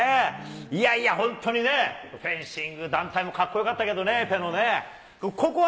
いやいや本当にね、フェンシング団体もかっこよかったけどね、エペのね。